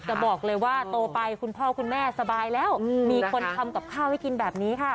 จะบอกเลยว่าโตไปคุณพ่อคุณแม่สบายแล้วมีคนทำกับข้าวให้กินแบบนี้ค่ะ